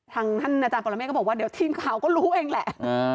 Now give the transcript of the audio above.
ท่านอาจารย์ปรเมฆก็บอกว่าเดี๋ยวทีมข่าวก็รู้เองแหละ